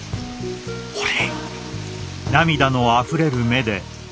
ほれ！